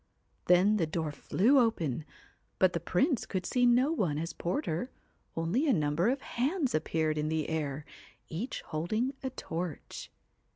Then the door flew open, but the Prince could see no one as porter, only a number of hands appeared in the air, each holding a torch.